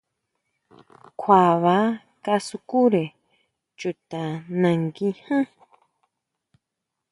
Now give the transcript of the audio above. Kjua baa kasukure chuta nangui ján.